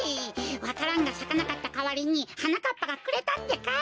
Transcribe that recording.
わか蘭がさかなかったかわりにはなかっぱがくれたってか！